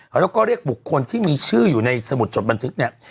แล้วก็เรียกบุคคลที่มีชื่ออยู่ในสมุดจดบันทึกเนี่ย